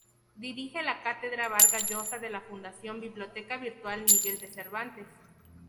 Dirige la Cátedra Vargas Llosa de la Fundación Biblioteca Virtual Miguel de Cervantes.